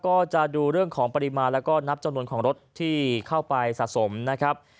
ก็จะดูเรื่องของปริมาณแล้วก็นับจำนวนของรถที่เข้าไปสะสมนะครับ